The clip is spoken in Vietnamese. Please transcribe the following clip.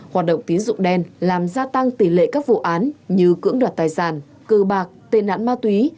hoạt động tín dụng đen làm gia tăng tỷ lệ các vụ án như cưỡng đoạt tài sản cư bạc tên ảnh ma túy